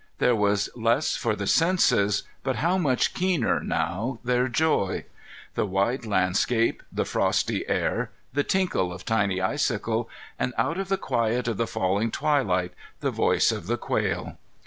There was less for the senses, but how much keener now their joy! The wide landscape, the frosty air, the tinkle of tiny icicles, and, out of the quiet of the falling twilight, the voice of the quail!